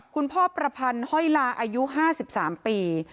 พ่อประพันธ์ห้อยลาอายุ๕๓ปี